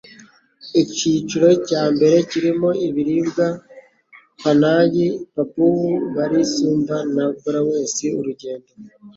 Icyiciro cya mbere kirimo ibirwa Panay Papau Bali Sumba na Sulawesi urugendo